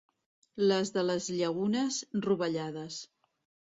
Les de les Llagunes, rovellades.